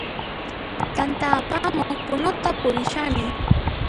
T'anta apamuq punuta purishani